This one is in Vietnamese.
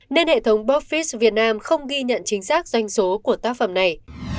nên hệ thống box office việt nam không ghi nhận chính xác doanh số của tác phẩm này